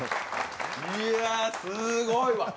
いや、すごいわ。